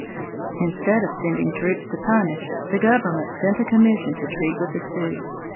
Instead of sending troops to punish, the government sent a commission to treat with the Sioux.